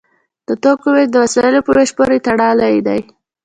د توکو ویش د وسایلو په ویش پورې تړلی دی.